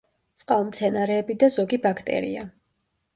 წყალმცენარეები და ზოგი ბაქტერია.